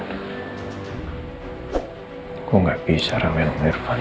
aku gak bisa ramein um irfan